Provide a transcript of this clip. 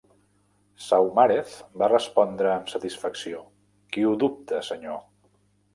Saumarez va respondre amb satisfacció. Qui ho dubta, senyor?